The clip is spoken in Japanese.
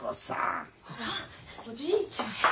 あおじいちゃん。